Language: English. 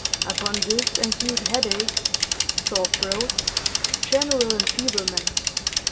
Upon this ensued headaches, sore throat, general enfeeblement.